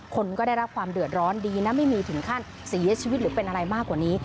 คนก็ได้รับความเดือดร้อนดีนะไม่มีถึงขั้นเสียชีวิตหรือเป็นอะไรมากกว่านี้